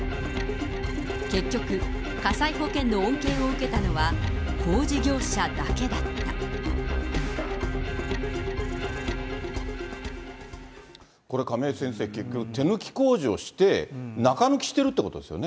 結局、火災保険の恩恵を受けたのこれ、亀井先生、結局手抜き工事をして、中抜きしてるということですよね。